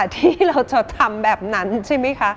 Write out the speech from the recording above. ที่เราจะทำแบบนั้นใช่ไหมคะ